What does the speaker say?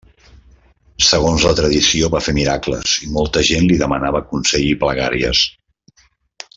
Segons la tradició, va fer miracles i molta gent li demanava consell i pregàries.